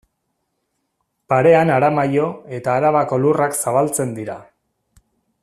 Parean Aramaio eta Arabako lurrak zabaltzen dira.